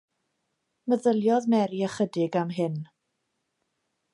Meddyliodd Mary ychydig am hyn.